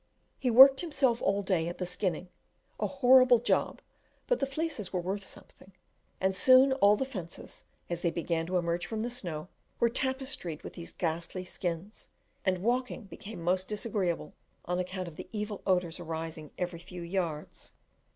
He worked himself all day at the skinning, a horrible job; but the fleeces were worth something, and soon all the fences, as they began to emerge from the snow, were tapestried with these ghastly skins, and walking became most disagreeable, on account of the evil odours arising every few yards.